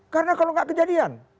karena kalau enggak kejadian